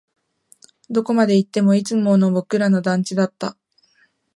どこまで行っても、いつもの僕らの団地だった